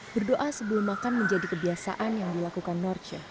berdoa sebelum makan menjadi kebiasaan yang dilakukan norce